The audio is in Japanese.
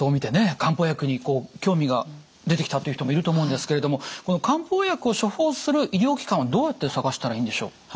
漢方薬に興味が出てきたっていう人もいると思うんですけれどもこの漢方薬を処方する医療機関はどうやって探したらいいんでしょう。